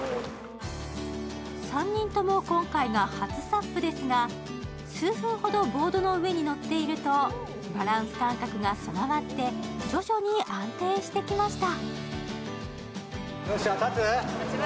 ３人とも今回が初ＳＵＰですが、数分ほどボードの上に乗っているとバランス感覚が備わって徐々に安定してきました。